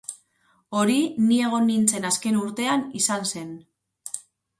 Hori ni egon nintzen azken urtean izan zen.